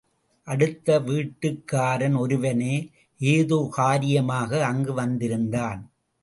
அடுத்த வீட்டுக்காரன் ஒருவனே ஏதோகாரியமாக அங்கு வந்திருந்தான்.